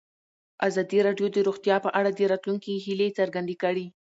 ازادي راډیو د روغتیا په اړه د راتلونکي هیلې څرګندې کړې.